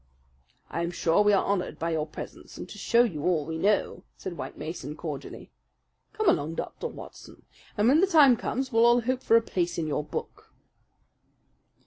"I am sure we are honoured by your presence and to show you all we know," said White Mason cordially. "Come along, Dr. Watson, and when the time comes we'll all hope for a place in your book."